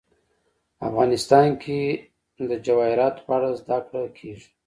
افغانستان کې د جواهرات په اړه زده کړه کېږي.